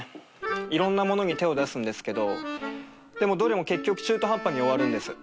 いろんなものに手を出すんですけどでもどれも結局中途半端に終わるんです。